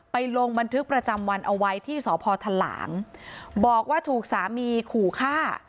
ลงบันทึกประจำวันเอาไว้ที่สพทะหลางบอกว่าถูกสามีขู่ฆ่า